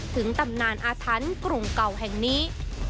ถึงตำนานอาธันต์กรุงเก่าแห่งนี้